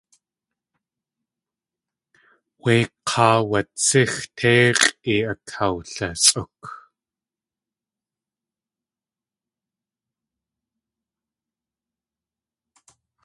Wé k̲áa watsíx téix̲ʼi akawlisʼúk.